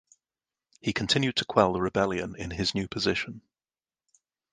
He continued to quell the rebellion in his new position.